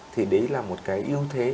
thì đấy là một cái yêu thế